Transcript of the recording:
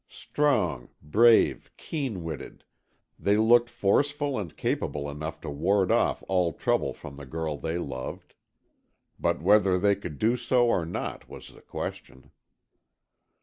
Strong, brave, keen witted, they looked forceful and capable enough to ward off all trouble from the girl they loved. But whether they could do so or not was the question.